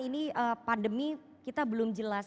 ini pandemi kita belum jelas